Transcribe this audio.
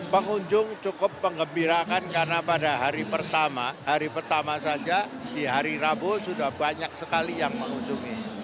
pengunjung cukup mengembirakan karena pada hari pertama hari pertama saja di hari rabu sudah banyak sekali yang mengunjungi